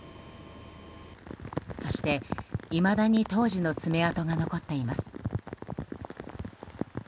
そして、いまだに当時の爪痕が残っています。